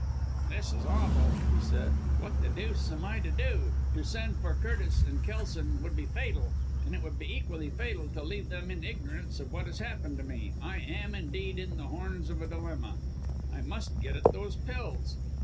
"This is awful," he said, "what the deuce am I to do! To send for Curtis and Kelson will be fatal, and it will be equally fatal to leave them in ignorance of what has happened to me. I am, indeed, in the horns of a dilemma. I must get at those pills."